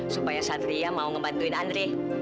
supaya satria mau ngebantuin andri